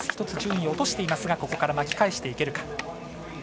１つ順位を落としていますがここから巻き返していけるか。